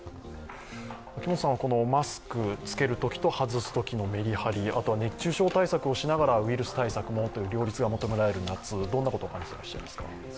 マスクつけるときと外すときのメリハリ、あとは熱中症対策をしながらウイルス対策もという両立が求められる夏、どんなことを感じていらっしゃいますか？